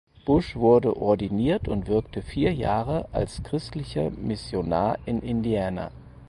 Bush wurde ordiniert und wirkte vier Jahre als christlicher Missionar in Indiana.